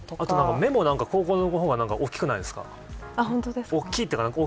目も高校の方が大きくないですか。